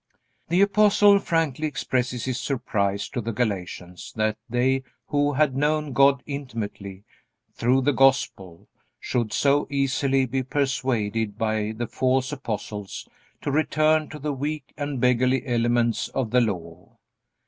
The Apostle frankly expresses his surprise to the Galatians that they who had known God intimately through the Gospel, should so easily be persuaded by the false apostles to return to the weak and beggarly elements of the Law.